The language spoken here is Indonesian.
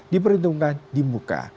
diperhitungkan di muk